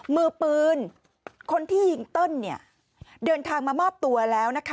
มือปืนคนที่ยิงเติ้ลเนี่ยเดินทางมามอบตัวแล้วนะคะ